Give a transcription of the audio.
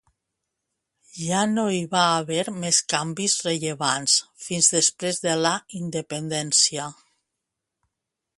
Ja no hi va haver més canvis rellevants fins després de la independència.